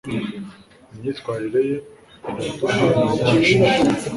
imyitwarire ye iraduhangayikishije